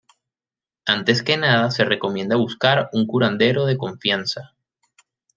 Antes que nada se recomienda buscar un curandero de confianza.